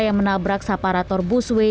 yang menabrak separator busway